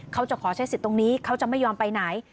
เขาจะขอใช้สิทธิ์ตรงนี้เขาจะไม่ยอมไปไหน